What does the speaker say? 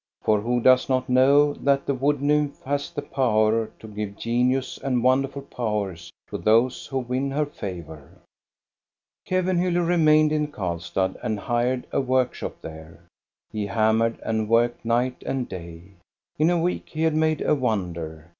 For who does not know that the wood nymph has the power to give genius and wonderful powers to those who win her favor ? Kevenhiiller remained in Karlstad and hired a workshop there. He hammered and worked night and day. In a week he had made a wonder.